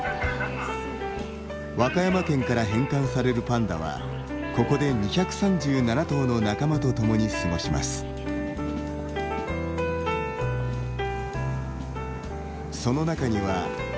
和歌山県から返還されるパンダはここで２３７頭の仲間と共に過ごします。